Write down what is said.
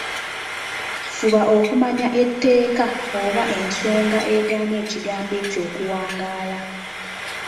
Fuba okumanya etteeka oba ensonga egaana ekigambo ekyo okuwangaala.